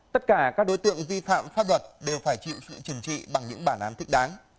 tất cả các đối tượng vi phạm pháp luật đều phải chịu sự trừng trị bằng những bản án thích đáng